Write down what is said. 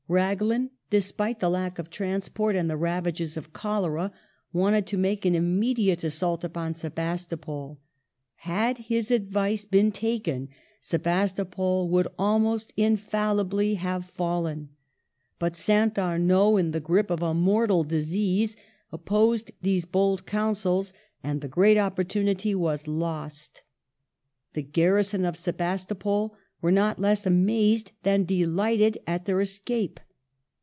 Raglan, despite the lack of transport and the ravages of cholera, wanted to make an immediate assault upon Sebastopol. Had his advice been taken, Sebastopol would almost infallibly have fallen. But St. Arnaud, in the grip of a mortal disease, opposed these bold councils, and the great opportunity was lost. The garrison of Sebastopol were not less amazed than delighted at their escape.